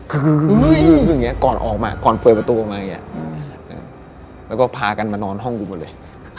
ก็มานอนห้องปกไปเลยคนเยอะเลย